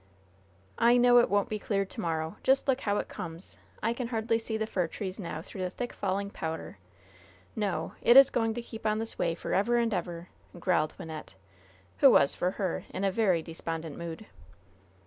"I know it won't be clear to morrow! Just look how it comes. I can hardly see the fir trees now through the thick falling powder. No! it is going to keep on this way forever and ever," growled Wynnette, who was, for her, in a very despondent mood.